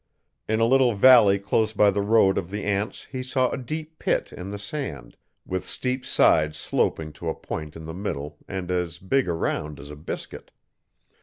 In a little valley close by the road of the ants he saw a deep pit, in the sand, with steep sides sloping to a point in the middle and as big around as a biscuit.